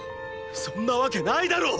そんなわけないだろう